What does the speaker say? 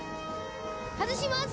外します。